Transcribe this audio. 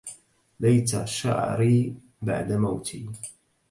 ليت شعري بعد موتي